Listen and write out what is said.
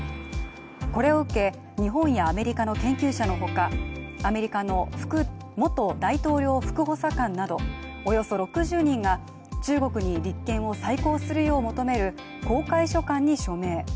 これを受け、日本やアメリカの研究者のほか、アメリカの元大統領副補佐官など、およそ６０人が中国に立件を再考するよう求める公開書簡に署名。